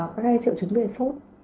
có thể triệu chứng về sốt